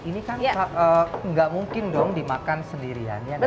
ini kan enggak mungkin dong dimakan sendirian ya enggak sih